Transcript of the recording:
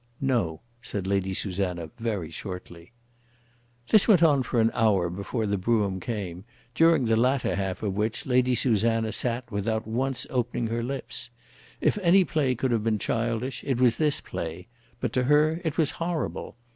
"No," said Lady Susanna, very shortly. This went on for an hour before the brougham came, during the latter half of which Lady Susanna sat without once opening her lips. If any play could have been childish, it was this play; but to her it was horrible.